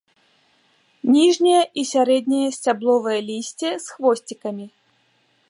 Ніжняе і сярэдняе сцябловае лісце з хвосцікамі.